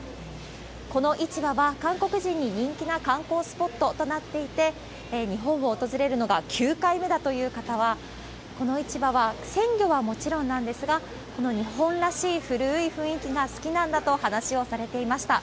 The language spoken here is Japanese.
この市場は、韓国人に人気な観光スポットとなっていて、日本を訪れるのが９回目だという方は、この市場は、鮮魚はもちろんなんですが、この日本らしい古い雰囲気が好きなんだと話をされていました。